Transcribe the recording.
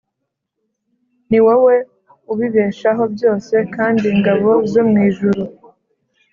Ni wowe ubibeshaho byose kandi ingabo zo mu ijuru